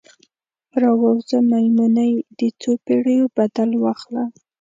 راووځه میمونۍ، د څوپیړیو بدل واخله